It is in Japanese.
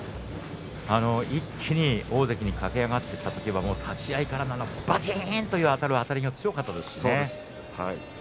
一気に大関に駆け上がったときは立ち合いからばちんというあたりが強かったですよね。